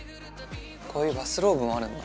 こういうバスローブもあるんだ